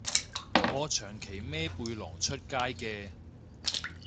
我長期孭背囊出街嘅